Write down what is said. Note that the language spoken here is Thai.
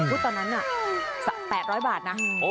อือตอนนั้นแบบ๘๐๐บาทนะ